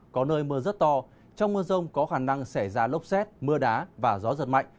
có nơi mưa rất to trong mưa rông có khả năng xảy ra lốc xét mưa đá và gió giật mạnh